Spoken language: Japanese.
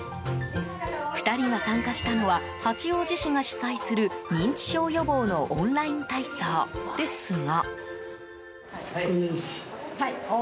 ２人が参加したのは八王子市が主催する認知症予防のオンライン体操ですが。